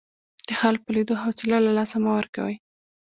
د حال په لیدو حوصله له لاسه مه ورکوئ.